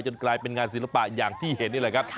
กลายเป็นงานศิลปะอย่างที่เห็นนี่แหละครับ